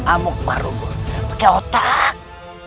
amuk marugun pakai otak